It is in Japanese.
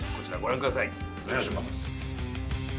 お願いします。